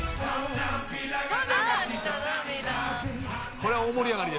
「これは大盛り上がり」